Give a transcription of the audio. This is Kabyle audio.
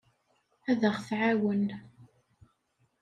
Ad aɣ-tɛawen.